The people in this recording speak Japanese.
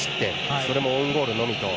それもオウンゴールのみと。